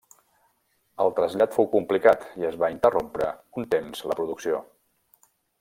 El trasllat fou complicat i es va interrompre un temps la producció.